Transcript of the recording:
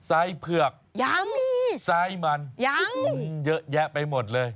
ไส้เผือกยังมีไส้มันยังเยอะแยะไปหมดเลย